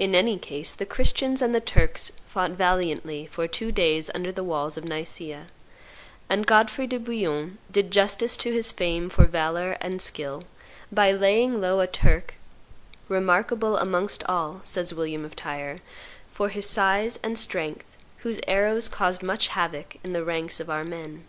In any case, the Christians and the Turks fought valiantly for two days under the walls of Niccea, and Godfrey de Bouillon did justice to his fame for valor and skill by laying low a Turk "remarkable amongst all," says William of Tyre, "for his size and strength, whose arrows caused much havoc in the ranks of our men."